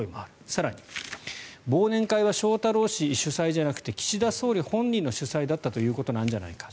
更に、忘年会は翔太郎氏主催じゃなくて岸田総理本人の主催だったということなんじゃないかと。